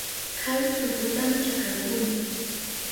Kay tuputami chakrahuni.